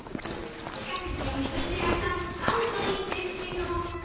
近くに焼肉屋さんあるといいんですけど